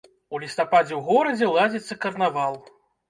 У лістападзе ў горадзе ладзіцца карнавал.